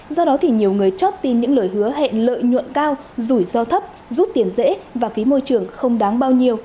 do đó thì nhiều người chót tin những lời hứa hẹn lợi nhuận cao rủi ro thấp rút tiền dễ và phí môi trường không đáng bao nhiêu